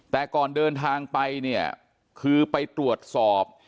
แต่ก่อนเดินทางไปเนี่ยคือไปตรวจสอบ